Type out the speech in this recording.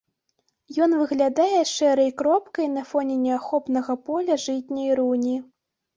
Ён выглядае шэрай кропкай на фоне неахопнага поля жытняй руні.